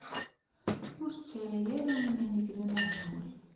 Ur ttarra ara iman-ik d amehbul.